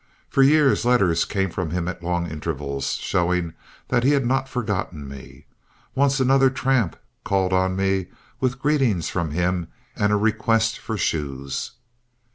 For years letters came from him at long intervals, showing that he had not forgotten me. Once another tramp called on me with greeting from him and a request for shoes.